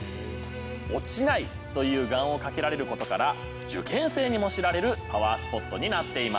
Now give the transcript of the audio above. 「落ちない」という願をかけられることから受験生にも知られるパワースポットになっています。